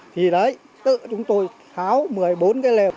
thì đấy tự chúng tôi tháo một mươi bốn cái lợp